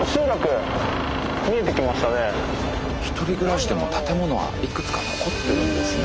１人暮らしでも建物はいくつか残ってるんですね。